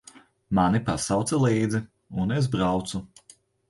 Mani pasauca līdzi, un es braucu.